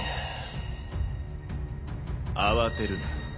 慌てるな。